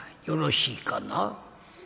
よろしいかな」。